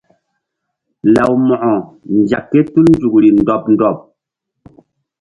Law Mo̧ko nzek ké tul nzukri ndɔɓ ndɔɓ.